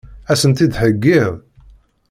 Ad sent-t-id-theggiḍ?